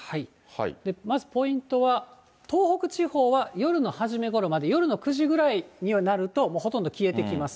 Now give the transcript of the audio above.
まずポイントは、東北地方は夜の初めごろまで、夜の９時ぐらいになると、ほとんど消えてきます。